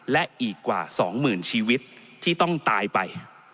และอีกกว่าสองหมื่นชีวิตที่ต้องตายไป